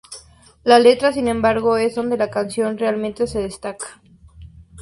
La letra, sin embargo, es donde la canción realmente se destaca.